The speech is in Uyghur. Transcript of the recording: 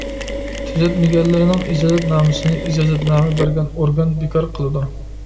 تۈزەتمىگەنلىرىنىڭ ئىجازەتنامىسىنى ئىجازەتنامە بەرگەن ئورگان بىكار قىلىدۇ.